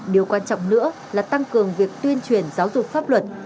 điều quan trọng nữa là tăng cường việc tuyên truyền giáo dục pháp luật